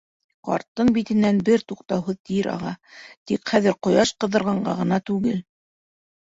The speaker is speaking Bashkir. Ҡарттың битенән бер туҡтауһыҙ тир аға, тик хәҙер ҡояш ҡыҙҙырғанға ғына түгел.